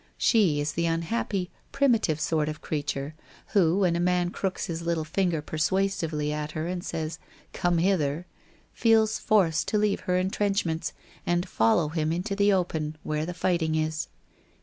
She is the unhappy, primitive sort of creature who when a man crooks his little finger per suasively at her and says, ' Come hither !' feels forced to leave her intrenchments, and follow him into the open, where the righting is.